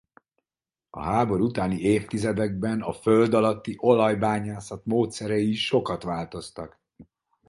A háború utáni évtizedekben a föld alatti olajbányászat módszerei is sokat változtak.